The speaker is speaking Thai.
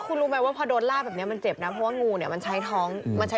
คุณรู้ไหมว่าพอโดนลาี่แบบนี้มันเจ็บนะ